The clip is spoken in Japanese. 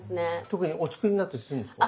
特にお作りになったりするんですか？